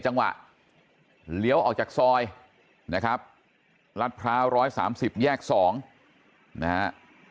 จังหวะเลี้ยวออกจากซอยนะครับลาดพร้าวร้อยสามสิบแยกสองนะฮะ